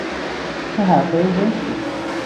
چه حرفهای زشتی!